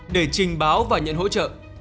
để trình báo và nhận hỗ trợ